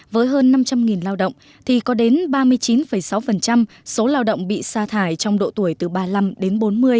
với hơn năm trăm linh lao động thì có đến ba mươi chín sáu số lao động bị xa thải trong độ tuổi từ ba mươi năm đến bốn mươi